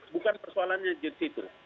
bukan persoalannya di situ